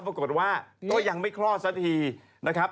ปรากฏว่าก็ยังไม่คลอดสักทีนะครับ